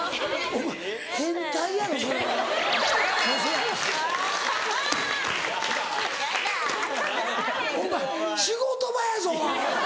お前仕事場やぞ！